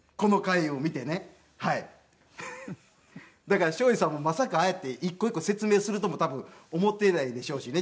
だからショージさんもまさかああやって一個一個説明するとも多分思っていないでしょうしね